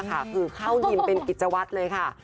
เค้าดินเป็นอิจสาวตเลยค่ะ